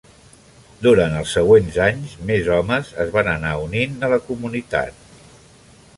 Durant els següents anys, més homes es van anar unint a la comunitat.